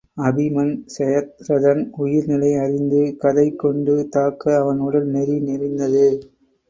அபிமன் சயத்ரதன் உயிர் நிலை அறிந்து கதை கொண்டு தாக்க அவன் உடல் நெரி நெரிந்தது.